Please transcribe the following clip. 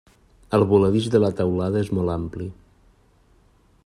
El voladís de la teulada és molt ampli.